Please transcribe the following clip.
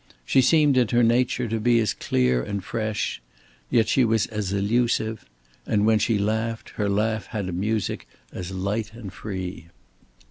She seemed in her nature to be as clear and fresh; yet she was as elusive; and when she laughed, her laugh had a music as light and free.